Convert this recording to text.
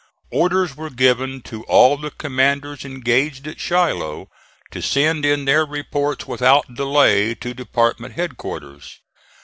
Orders were given to all the commanders engaged at Shiloh to send in their reports without delay to department headquarters.